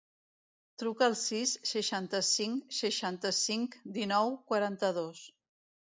Truca al sis, seixanta-cinc, seixanta-cinc, dinou, quaranta-dos.